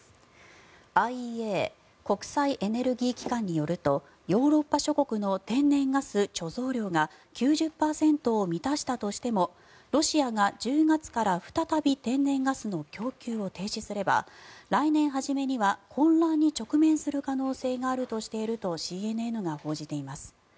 ＩＥＡ・国際エネルギー機関によるとヨーロッパ諸国の天然ガス貯蔵量が９０％を満たしたとしてもロシアが１０月から再び天然ガスの供給を停止すれば来年初めには混乱に直面する可能性があるとしているとＣＮＮが報じています。